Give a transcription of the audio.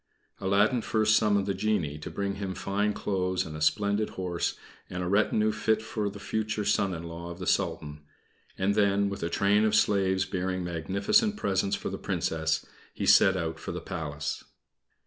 Aladdin first summoned the genie to bring him fine clothes and a splendid horse, and a retinue fit for the future son in law of the Sultan; and then, with a train of slaves bearing magnificent presents for the Princess, he set out for the Palace.